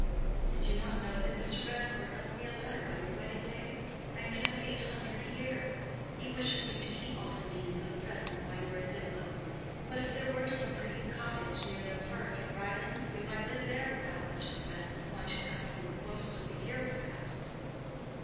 "Did you not know that Mr. Grandcourt left me a letter on your wedding day? I am to have eight hundred a year. He wishes me to keep Offendene for the present, while you are at Diplow. But if there were some pretty cottage near the park at Ryelands we might live there without much expense, and I should have you most of the year, perhaps."